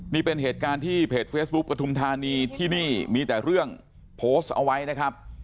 นี่เป็นเหตุการณ์ที่เพจเฟซบุ๊คปฐุมธานีที่นี่มีแต่เรื่องโพสต์เอาไว้นะครับ